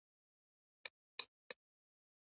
زما د لور نوم غرڅنۍ دی.